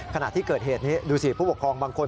ขณะที่เกิดเหตุนี้ดูสิผู้ปกครองบางคน